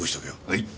はい。